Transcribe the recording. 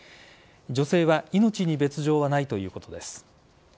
女性は命に別条はないということです。